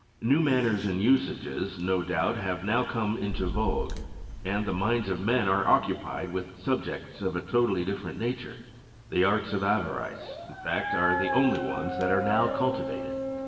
New manners and usages, no doubt, have now come into vogue, and the minds of men are occupied with subjects of a totally different nature ; the arts of avarice, in fact, are the only ones that are now cultivated.